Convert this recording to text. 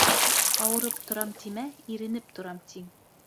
«Ауырып торам» тимә, «иренеп торам» тиң.